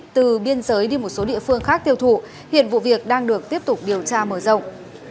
từ biên giới đi một số địa phương khác tiêu thụ hiện vụ việc đang được tiếp tục điều tra mở rộng